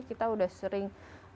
kita sudah sering